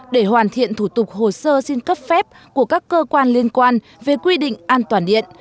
để hoàn thiện thủ tục hồ sơ xin cấp phép của các cơ quan liên quan về quy định an toàn điện